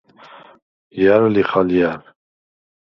ჲა̈რ ლიხ ალჲა̈რ?